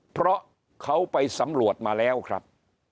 เพราะเขาไปสำรวจมาแล้วครับ